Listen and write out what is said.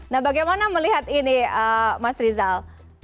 nah bagaimana melihat ini mas rizal